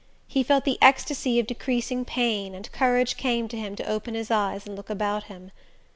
He felt the ecstasy of decreasing pain, and courage came to him to open his eyes and look about him...